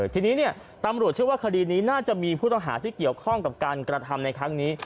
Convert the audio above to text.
ทีนี้ตำรวจเชื่อว่าคดีนี้น่าจะมีผู้ต้องหาที่เกี่ยวข้องกับการกระทำในครั้งนี้